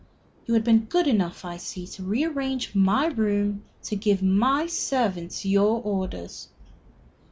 You had been good enough, I see, to rearrange my room to give my servants your orders."